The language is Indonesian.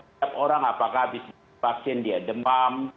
setiap orang apakah habis vaksin dia demam